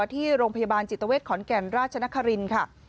ที่โรงพยาบาลจิตเวทขอนแก่นราชนครินทร์ค่ะ